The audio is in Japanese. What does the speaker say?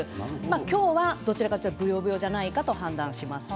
今日は、どちらかというとブヨブヨじゃないかと判断します。